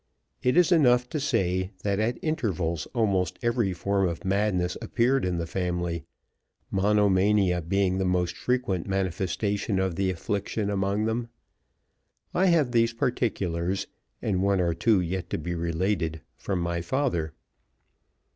It is enough to say that at intervals almost every form of madness appeared in the family, monomania being the most frequent manifestation of the affliction among them. I have these particulars, and one or two yet to be related, from my father.